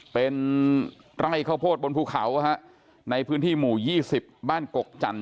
เป็นไร่ข้าวโพดบนภูเขาในพื้นที่หมู่๒๐บ้านกกจันท